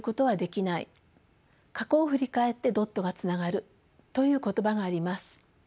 過去を振り返ってドットがつながる」という言葉があります。